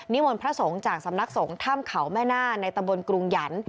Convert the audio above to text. มนต์พระสงฆ์จากสำนักสงฆ์ถ้ำเขาแม่หน้าในตำบลกรุงหยัน